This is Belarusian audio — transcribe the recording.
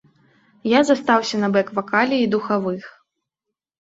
Я застаўся на бэк-вакале і духавых.